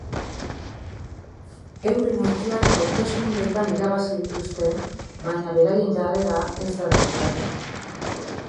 Euren aulkiak hauteskundeetan irabazi dituzte baina beraien jarrera ez da demokratikoa.